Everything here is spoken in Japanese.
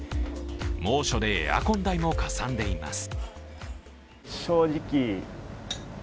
猛暑でエアコン代もかさんでいます。